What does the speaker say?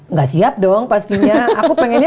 nggak siap dong pastinya aku pengennya